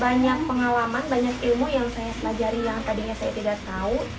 banyak pengalaman banyak ilmu yang saya pelajari yang tadinya saya tidak tahu